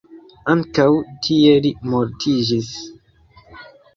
Ankaŭ tie li mortiĝis.